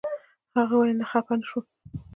هغې ویل نه خپه نه شوم.